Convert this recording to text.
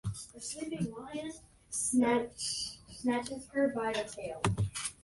During World War One, its production capacity became focused on military needs.